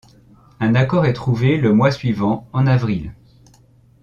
Un accord est trouvé le mois suivant en avril.